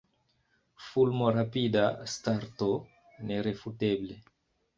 Fulmorapida starto, nerefuteble.